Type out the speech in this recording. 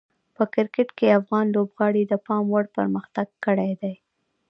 په کرکټ کې افغان لوبغاړي د پام وړ پرمختګ کړی دی.